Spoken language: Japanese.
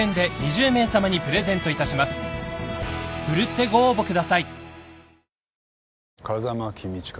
［奮ってご応募ください］